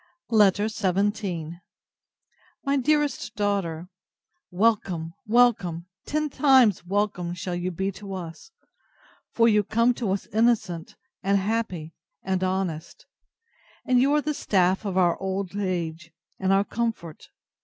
v LETTER XVII MY DEAREST DAUGHTER, Welcome, welcome, ten times welcome shall you be to us; for you come to us innocent, and happy, and honest; and you are the staff of our old age, and our comfort.